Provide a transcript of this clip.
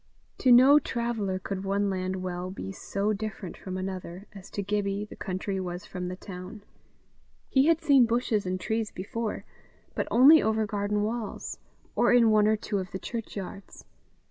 To no traveller could one land well be so different from another, as to Gibbie the country was from the town. He had seen bushes and trees before, but only over garden walls, or in one or two of the churchyards.